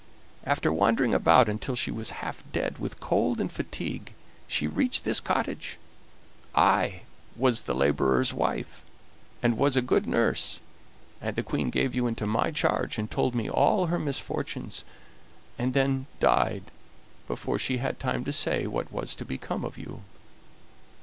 After wandering about until she was half dead with cold and fatigue she reached this cottage. I was the laborer's wife, and was a good nurse, and the Queen gave you into my charge, and told me all her misfortunes, and then died before she had time to say what was to become of you.